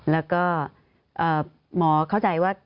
แล้วก็หมอเข้าใจว่า